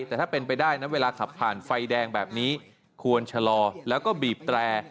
แต่ถ้าเป็นไปได้นั้นเวลาขับผ่านไฟแดงแบบนี้ควรชะลอแล้วก็บีบแตร